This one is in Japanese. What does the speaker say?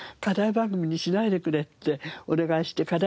番組にしないでくれってお願いして課題